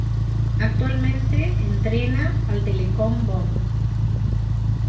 Actualmente entrena al Telekom Bonn.